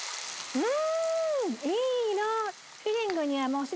うん。